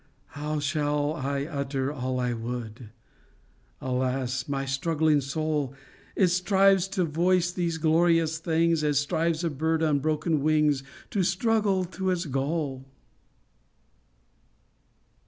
How shall I utter all I would ? Alas, my struggling soul, — It strives to voice these glorious things AUTUMN 95 As strives a bird on broken wings To struggle to its goal.